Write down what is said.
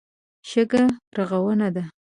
شګه رغونه ده.